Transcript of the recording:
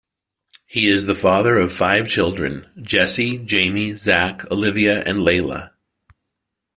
He is the father of five children: Jesse, Jamie, Zak, Olivia and Layla.